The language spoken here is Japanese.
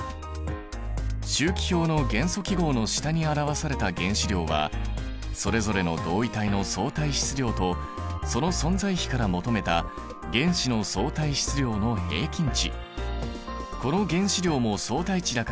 周期表の元素記号の下に表された原子量はそれぞれの同位体の相対質量とその存在比から求めた原子の相対質量の平均値。